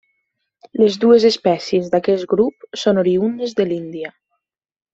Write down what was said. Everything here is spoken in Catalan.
Les dues espècies d'aquest grup són oriündes de l'Índia.